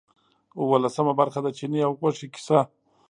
اوولسمه برخه د چیني او غوښې کیسه.